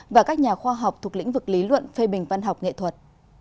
và các nhà khoa học thuộc lĩnh vực lý luận phê bình văn học nghệ thuật